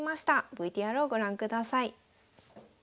ＶＴＲをご覧ください。